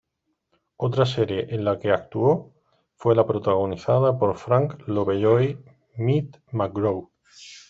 Otra serie en la que actuó fue la protagonizada por Frank Lovejoy "Meet McGraw".